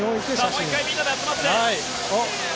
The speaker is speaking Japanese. もう一回みんなで集まって。